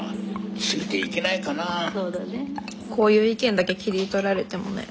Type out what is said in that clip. こういう意見だけ切り取られてもね。